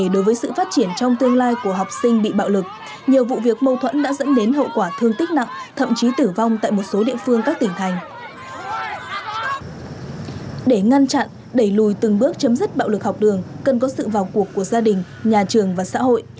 để ngăn chặn đẩy lùi từng bước chấm dứt bạo lực học đường cần có sự vào cuộc của gia đình nhà trường và xã hội